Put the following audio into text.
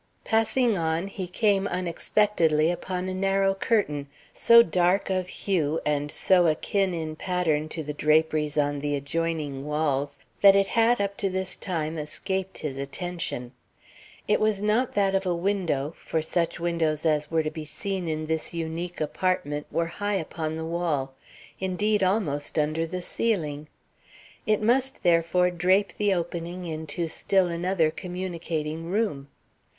Passing on, he came unexpectedly upon a narrow curtain, so dark of hue and so akin in pattern to the draperies on the adjoining walls that it had up to this time escaped his attention. It was not that of a window, for such windows as were to be seen in this unique apartment were high upon the wall, indeed, almost under the ceiling. It must, therefore, drape the opening into still another communicating room.